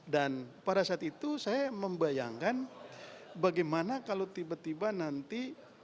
dan pada saat itu saya membayangkan bagaimana kalau tiba tiba nanti